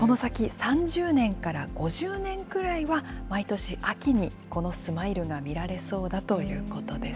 ３０年から５０年くらいは、毎年秋にこのスマイルが見られそうだということです。